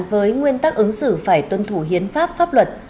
với nguyên tắc ứng xử phải tuân thủ hiến pháp pháp luật